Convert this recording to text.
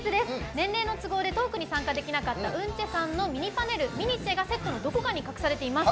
年齢の都合でトークに参加できなかったウンチェさんのミニパネルミニチェがセットのどこかに隠されています。